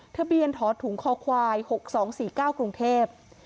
ทะเบียนถอถุงคอควาย๖๒๔๙กรุงเทพ